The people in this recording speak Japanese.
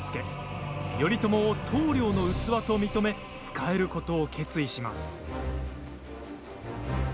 頼朝を棟りょうの器と認め仕えることを決意します。